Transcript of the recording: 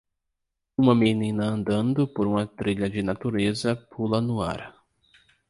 Uma menina andando por uma trilha de natureza pula no ar.